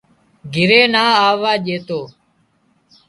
گھرِي نا آووا ڄيتو